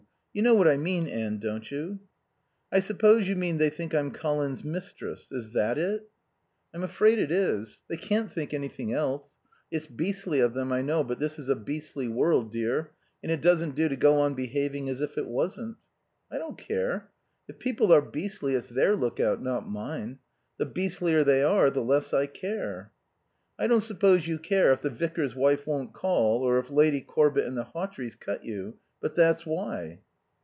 You know what I mean, Anne, don't you?" "I suppose you mean they think I'm Colin's mistress. Is that it?" "I'm afraid it is. They can't think anything else. It's beastly of them, I know, but this is a beastly world, dear, and it doesn't do to go on behaving as if it wasn't." "I don't care. If people are beastly it's their look out, not mine. The beastlier they are the less I care." "I don't suppose you care if the vicar's wife won't call or if Lady Corbett and the Hawtreys cut you. But that's why."